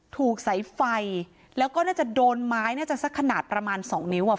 ถูกสายไฟแล้วก็น่าจะโดนไม้น่าจะสักขนาดประมาณสองนิ้วอ่ะ